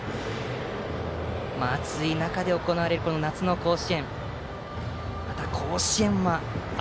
暑い中で行われる夏の甲子園。